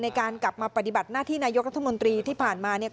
ในการกลับมาปฏิบัติหน้าที่นายกรัฐมนตรีที่ผ่านมาเนี่ย